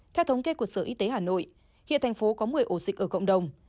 theo thống kê của sở y tế hà nội hiện thành phố có một mươi ổ dịch ở cộng đồng